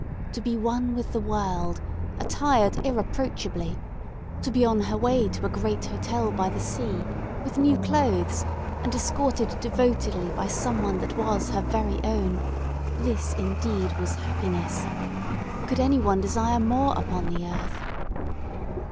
To be one with the world, attired irreproachably; to be on her way to a great hotel by the sea, with new clothes, and escorted devotedly by some one that was her very own, this indeed was happiness. Could any one desire more upon the earth?